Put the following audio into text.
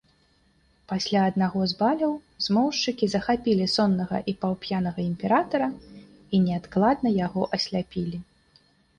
Пасля аднаго з баляў змоўшчыкі захапілі соннага і паўп'янага імператара і неадкладна яго асляпілі.